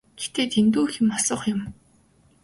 Гэхдээ дэндүү их юм асуух юм.